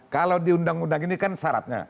kalau di undang undang ini kan syaratnya